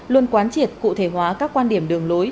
luôn quán triệt cụ thể hóa các quan điểm đường lối